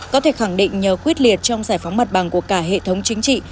có thể khẳng định nhờ quyết liệt trong giải phóng mặt bằng của cả hệ thống chính trị